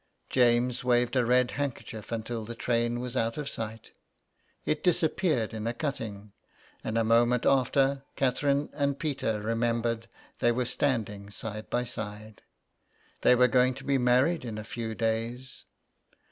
James waved a red handkerchief until the train was out of sight. It disappeared in a 150 THE EXILE. cutting, and a moment after Catherine and Peter remembered they were standing side by side. They were going to be married in a few days